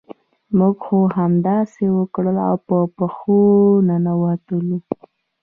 موږ هم همداسې وکړل او په پښو ننوتلو.